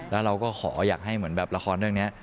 แล้วเราก็ขออยากให้เหมือนแบบละครเรื่องนี้